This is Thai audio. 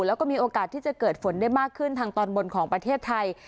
แล้วก็มีโอกาสที่จะเกิดฝนได้มากขึ้นทางตอนบนของประเทศไทย